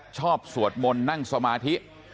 สวดมนต์นั่งสมาธิ